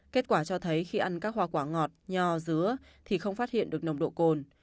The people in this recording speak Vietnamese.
kết quả cho thấy khi ăn các hoa quả ngọt nho dứa thì không phát hiện được nồng độ cồn